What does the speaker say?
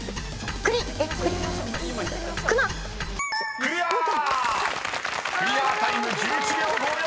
［クリアタイム１１秒５４。